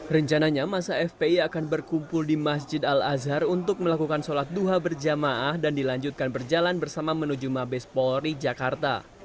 rencananya masa fpi akan berkumpul di masjid al azhar untuk melakukan sholat duha berjamaah dan dilanjutkan berjalan bersama menuju mabes polri jakarta